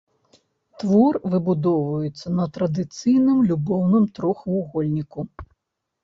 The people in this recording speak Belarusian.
Твор выбудоўваецца на традыцыйным любоўным трохвугольніку.